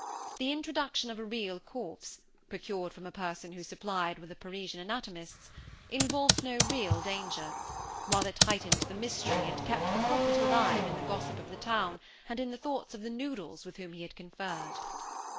The introduction of a real corpse procured from a person who supplied the Parisian anatomists involved no real danger, while it heightened the mystery and kept the prophet alive in the gossip of the town and in the thoughts of the noodles with whom he had conferred.